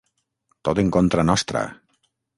Tot en contra nostra!